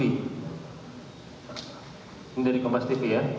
ini dari kompastv ya